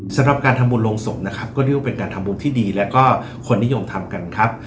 สำหรับการทำบุญลงศพนะครับก็เรียกว่าเป็นการทำบุญที่ดีแล้วก็คนนิยมทำกันครับ